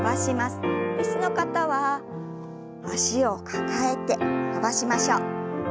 椅子の方は脚を抱えて伸ばしましょう。